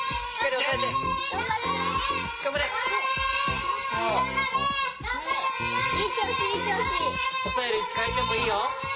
おさえるいちかえてもいいよ。